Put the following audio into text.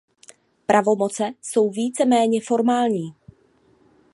Pravomoce jsou více méně formální.